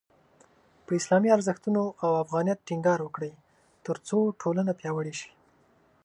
په اسلامي ارزښتونو او افغانیت ټینګار وکړئ، ترڅو ټولنه پیاوړې شي.